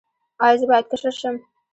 ایا زه باید کشر شم؟